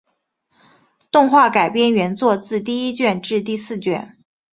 动画改编原作自第一卷至第四卷。